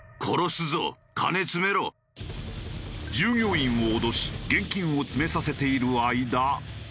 従業員を脅し現金を詰めさせている間。